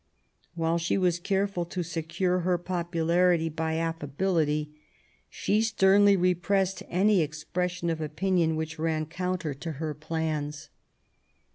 While she was careful to secure her popularity by affability, she sternly repressed any expression of opinion which ran counter to her plans.